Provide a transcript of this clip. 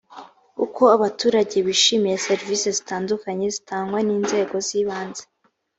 uko abaturage bishimiye serivisi zitandukanye zitangwa n inzego z ibanze